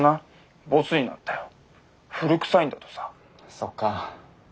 そっか。